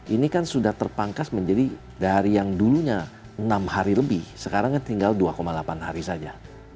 ini kan sudah terpangkas menjadi dari yang dulunya enam hari lebih sekarang kan tinggal dua delapan hari saja